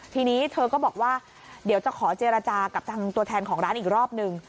ทีนี้เธอก็บอกว่าเดี๋ยวจะขอเจรจากับทางตัวแทนของร้านอีกรอบนึง